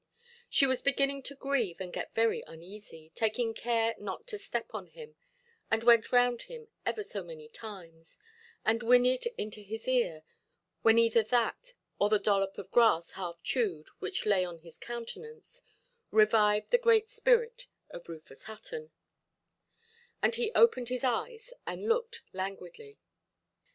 She was beginning to grieve and get very uneasy, taking care not to step on him, and went round him ever so many times, and whinnied into his ear, when either that, or the dollop of grass half chewed which lay on his countenance, revived the great spirit of Rufus Hutton, and he opened his eyes and looked languidly.